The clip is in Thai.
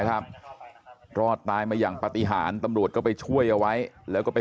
รอดตายมาอย่างปฏิหารก็ไปช่วยเอาไว้